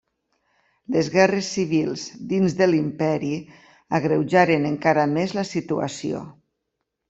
Les guerres civils dins de l'imperi agreujaren encara més la situació.